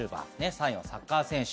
３位はサッカー選手。